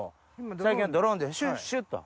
最近はドローンでシュッシュッと。